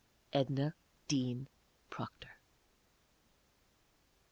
EDNA DEAN PROCTOR.